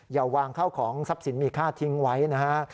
อย่าวางเข้าของทรัพย์สินมีค่าทิ้งไว้นะฮะ